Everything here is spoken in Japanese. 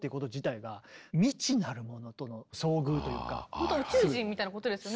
ほんと宇宙人みたいなことですね。